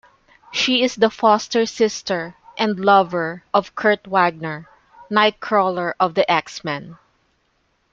She is the foster sister and lover of Kurt Wagner, Nightcrawler of the X-Men.